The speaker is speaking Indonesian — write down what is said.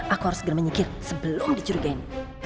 aku harus segera menyikir sebelum dicurigain